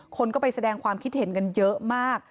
คนก็ไปแสดงความคิดเห็นกันเยอะมาก